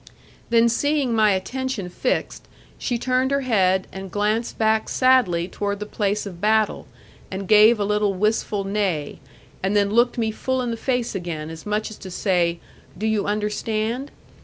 Then seeing my attention fixed she turned her head, and glanced back sadly toward the place of battle, and gave a little wistful neigh: and then looked me full in the face again, as much as to say, 'Do you understand?'